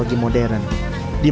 ini dari bambu